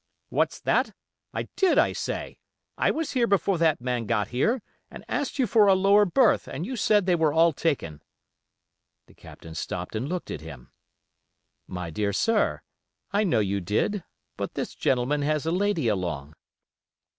'What's that? I did, I say. I was here before that man got here, and asked you for a lower berth, and you said they were all taken.' The Captain stopped and looked at him. 'My dear sir, I know you did; but this gentleman has a lady along.